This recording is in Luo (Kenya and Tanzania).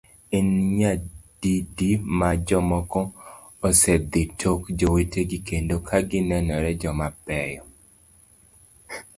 En nyadidi ma jomoko osedhi tok jowetegi kendo kagi nenore joma beyo?